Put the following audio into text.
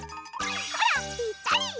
ほらぴったり！